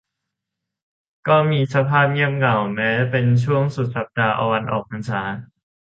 ก็มีสภาพเงียบเหงาแม้เป็นช่วงสุดสัปดาห์วันออกพรรษา